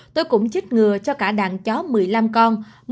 tôi cũng chích ngừa cho cả đàn chó một mươi năm con